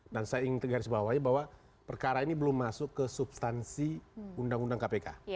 dan saya ingin tegarisbawahi bahwa perkara ini belum masuk ke substansi undang undang kpk